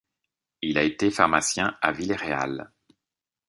Il a été pharmacien à Villeréal.